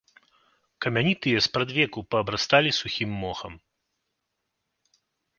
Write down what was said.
Камяні тыя спрадвеку паабрасталі сухім мохам.